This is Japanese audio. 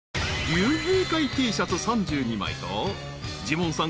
［竜兵会Ｔシャツ３２枚とジモンさん